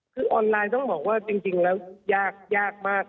คือออนไลน์ต้องบอกว่าจริงแล้วยากยากมาก